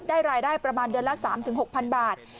รายได้ประมาณเดือนละ๓๖๐๐๐บาท